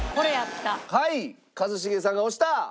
はい一茂さんが押した！